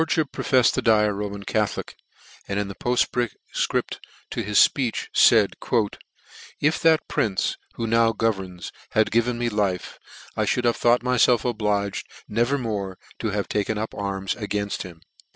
fhip profefTed to die a Roman Catholic, and in the poftfcript to his fpeech, faid, " If that prince, * c who now governs, had given me life, I mould " have thought myfelf obliged never more to have " taken up arms againft him."